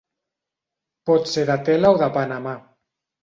Pot ser de tele o de Panamà.